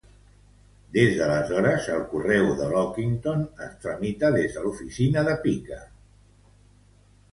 Des d'aleshores, el correu de Lockington es tramita des de l'oficina de Piqua.